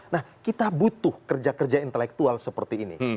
nah kita butuh kerja kerja intelektual seperti ini